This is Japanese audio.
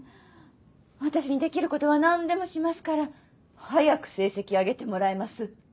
私にできることは何でもしますから早く成績上げてもらえます？